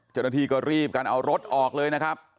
เจ้าหน้าที่ก็รีบกันเอารถออกเลยนะครับ